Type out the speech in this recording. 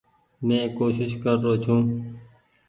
مين ڪوشش ڪر رو ڇون ۔